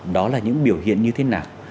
đó là những biểu hiện như thế nào